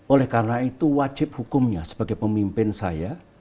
oleh karena itu wajib hukumnya sebagai pemimpin saya